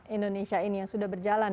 indonesia ini yang sudah berjalan